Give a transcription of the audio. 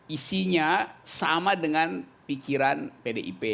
isinya sama dengan pikiran pdip